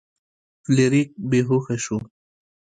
فلیریک بې هوښه شو.